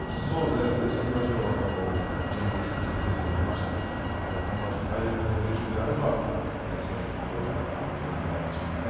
やっぱり先場所は、準優勝、決定戦出ましたんで本場所ハイレベルな優勝であればそういう声が上がってくるんじゃないでしょうかね。